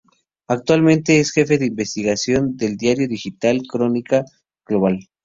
Actualmente, es jefe de investigación del diario digital "Crónica Global".